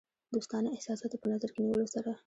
دوستانه احساساتو په نظر کې نیولو سره.